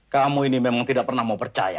kamu ini memang tidak pernah mau percaya